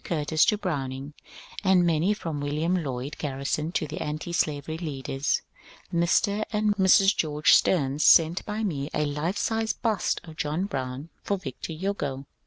Curtis to Browning, and many from William Lloyd Garrison to the antislavery leaders. Mr. and Mrs. George Steams sent by me a life sized bust of John Brown for Victor Hugo.